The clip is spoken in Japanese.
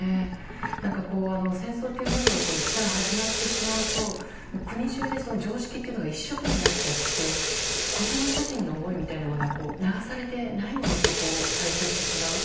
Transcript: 戦争というものがいったん始まってしまうと国中で常識というのが一色になっちゃって個人個人の思いみたいなものは流されてないものとされていってしまう。